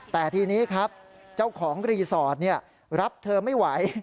แต่ทีนี้ครับเจ้าของรีสอร์ทรับเธอไม่ไหว